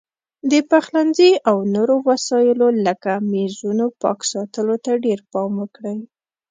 د پخلنځي او نورو وسایلو لکه میزونو پاک ساتلو ته ډېر پام وکړئ.